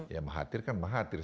ya mahathir kan mahathir